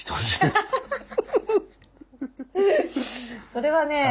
それはね